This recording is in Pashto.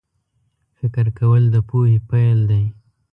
فکر کول د پوهې پیل دی